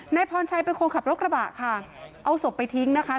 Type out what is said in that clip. นายพรชัยเป็นคนขับรถกระบะค่ะเอาศพไปทิ้งนะคะ